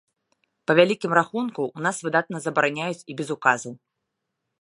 Па вялікім рахунку, у нас выдатна забараняюць і без указаў.